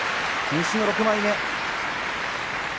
西の６枚目。